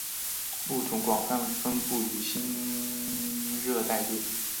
物种广泛分布于新热带界。